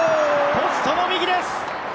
ポストの右です。